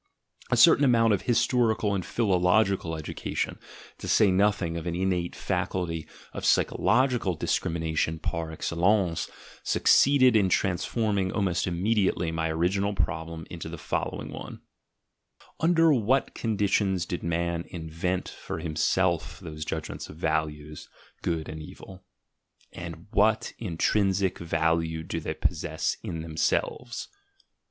A certain amount of historical and philological education, to say nothing of an innate faculty of psychological discrim ination par excellence succeeded in transforming almost immediately my original problem into the following one: — Under what conditions did Man invent for himself those judgments of values, "Good" and "Evil"? And 'what in trinsic value do they possess in themselves?